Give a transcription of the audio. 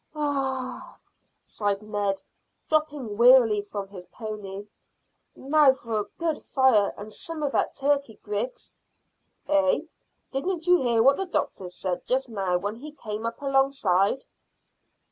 "Hah!" sighed Ned, dropping wearily from his pony. "Now for a good fire and some of that turkey, Griggs." "Eh? Didn't you hear what the doctor said just now when he came up alongside?"